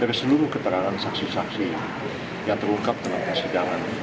dari seluruh keterangan saksi saksi yang terungkap dalam persidangan